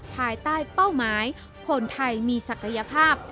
ภายใต้เป้าหมายคนไทยมีศักยภาพ